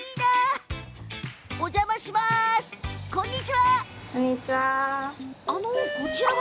こんにちは。